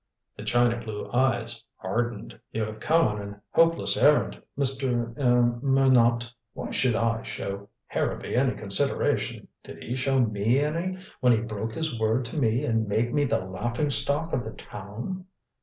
The china blue eyes hardened. "You have come on a hopeless errand, Mr er Minot. Why should I show Harrowby any consideration? Did he show me any when he broke his word to me and made me the laughing stock of the town?"